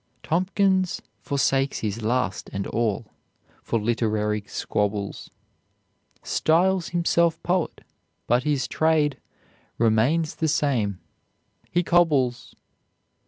"Tompkins forsakes his last and awl For literary squabbles; Styles himself poet; but his trade Remains the same, he cobbles."